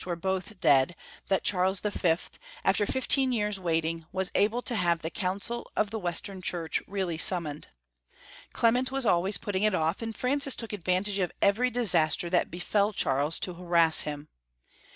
were both (lead that Charles V., after fifteen years* waiting, was able to have the Council of the West em Church really summoned. Clement was al* ways putting it off, and Francis took advantage of every disaster that befell Charles to harass him.